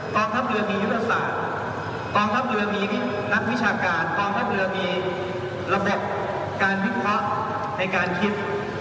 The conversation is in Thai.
ทัพเรือมียุทธศาสตร์กองทัพเรือมีนักวิชาการกองทัพเรือมีลำดับการวิเคราะห์ในการคิด